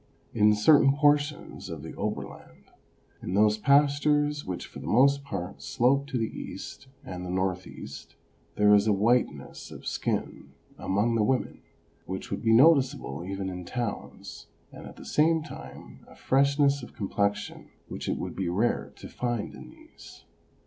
In certain portions of the Oberland, in those pastures which for the most part slope to the east and the north east, there is a whiteness of skin among the women which would be noticeable even in towns, and at the same time a freshness of complexion which it would be rare to find in these.